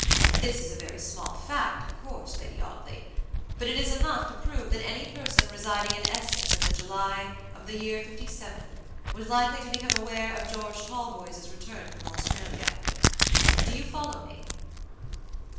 This is a very small fact, of course, Lady Audley, but it is enough to prove that any person residing in Essex in the July of the year fifty seven, was likely to become aware of George Talboys' return from Australia. Do you follow me?"